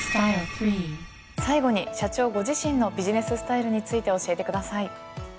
最後に社長ご自身のビジネススタイルについて教えてください。